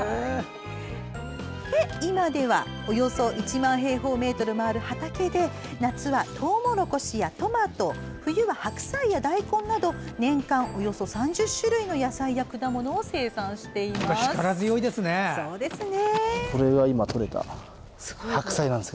今では、およそ１万平方メートルもある畑で夏はとうもろこしやトマト冬は白菜や大根など年間およそ３０種類の野菜や果物を生産しています。